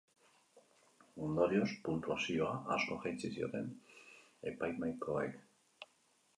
Ondorioz, puntuazioa asko jeitsi zioten epaimahaikoek.